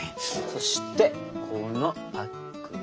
そしてこのパックを。